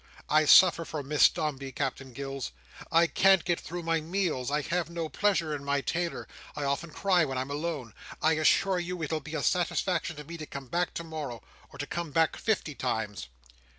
I suffer for Miss Dombey, Captain Gills. I can't get through my meals; I have no pleasure in my tailor; I often cry when I'm alone. I assure you it'll be a satisfaction to me to come back to morrow, or to come back fifty times."